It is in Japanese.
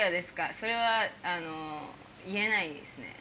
それはあの言えないですね。